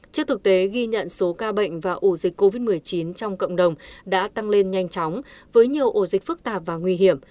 trước thực tế ghi nhận số ca bệnh và ủ dịch covid một mươi chín trong cộng đồng đã tăng lên nhanh chóng với nhiều ổ dịch phức tạp và nguy hiểm